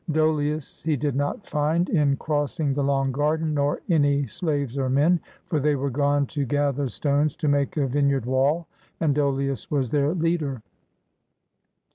Dolius he did not find, in 34 ODYSSEUS AND HIS FATHER crossing the long garden, nor any slaves or men; for they were gone to gather stones to make a vineyard wall, and Dolius was their leader.